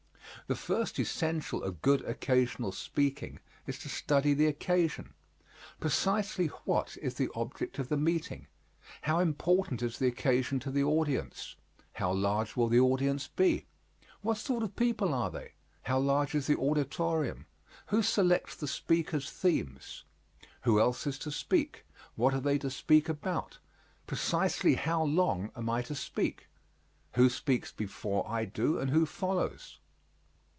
The first essential of good occasional speaking is to study the occasion. Precisely what is the object of the meeting? How important is the occasion to the audience? How large will the audience be? What sort of people are they? How large is the auditorium? Who selects the speakers' themes? Who else is to speak? What are they to speak about? Precisely how long am I to speak? Who speaks before I do and who follows?